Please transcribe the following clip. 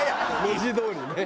文字どおりね。